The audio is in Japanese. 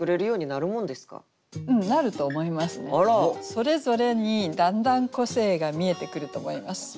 それぞれにだんだん個性が見えてくると思います。